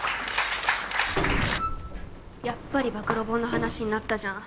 やっぱり暴露本の話になったじゃん